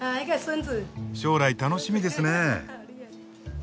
将来楽しみですね。